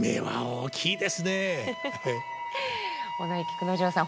尾上菊之丞さん